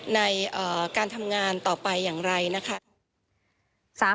ในการทำงานต่อไปอย่างไรนะคะ